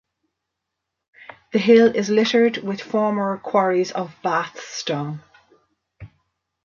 The hill is littered with former quarries of Bath Stone.